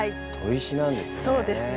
砥石なんですね。